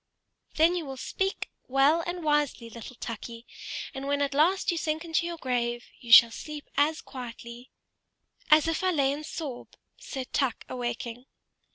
"Then you will speak well and wisely, little Tukey; and when at last you sink into your grave, you shall sleep as quietly " "As if I lay in Soroe," said Tuk, awaking.